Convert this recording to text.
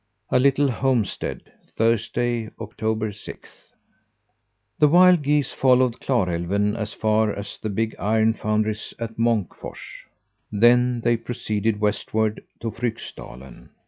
A LITTLE HOMESTEAD Thursday, October sixth. The wild geese followed Klarälven as far as the big iron foundries at Monk Fors. Then they proceeded westward to Fryksdalen.